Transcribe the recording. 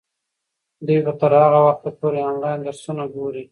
دوی به تر هغه وخته پورې انلاین درسونه ګوري.